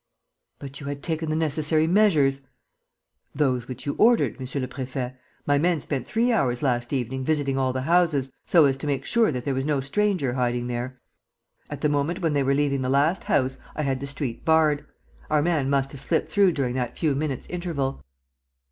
"But you had taken the necessary measures." "Those which you ordered, monsieur le préfet. My men spent three hours last evening visiting all the houses, so as to make sure that there was no stranger hiding there. At the moment when they were leaving the last house I had the street barred. Our man must have slipped through during that few minutes' interval."